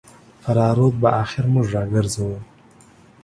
فراه رود به اخر موږ راګرځوو.